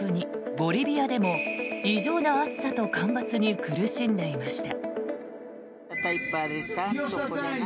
ボリビアでも異常な暑さと干ばつに苦しんでいました。